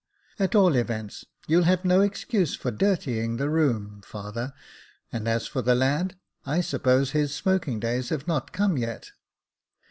At all events you'll have no excuse for dirtying the room, father ; and as for the lad, I suppose his smoking days have not come yet."